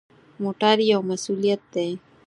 موټر یو مسؤلیت دی.